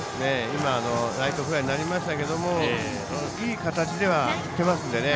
ライトフライになりましたけどいい形では振ってますのでね。